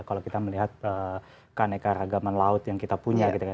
kalau kita melihat kan ekor agama laut yang kita punya gitu ya